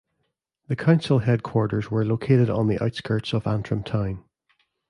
The council headquarters were located on the outskirts of Antrim town.